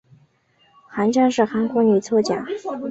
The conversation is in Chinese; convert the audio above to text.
韩江是韩国女作家。